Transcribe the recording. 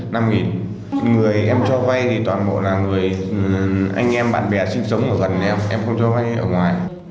người em cho vai thì toàn bộ là người anh em bạn bè sinh sống ở gần em em không cho vai ở ngoài